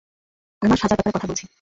আমরা সাজার ব্যাপারে কথা বলছি।